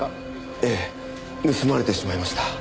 ええ盗まれてしまいました。